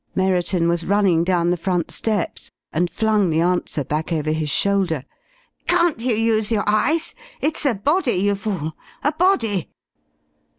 Merriton was running down the front steps and flung the answer back over his shoulder. "Can't you use your eyes? It's a body, you fool a body!"